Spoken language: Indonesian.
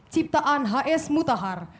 ciptaan hs mutahar